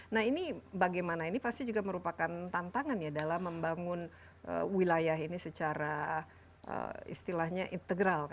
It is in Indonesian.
nah ini bagaimana ini pasti juga merupakan tantangan ya dalam membangun wilayah ini secara istilahnya integral